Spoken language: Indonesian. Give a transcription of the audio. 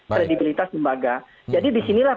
kredibilitas lembaga jadi disinilah